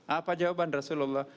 apa jawaban rasulullah